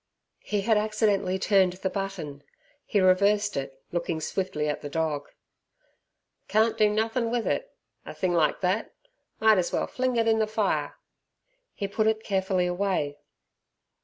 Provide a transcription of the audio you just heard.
He had accidentally turned the button, he reversed it looking swiftly at the dog. "Carn't do nothin' with it. A thing like thet! Might as well fling it in the fire!" He put it carefully away.